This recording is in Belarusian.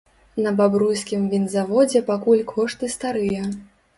На бабруйскім вінзаводзе пакуль кошты старыя.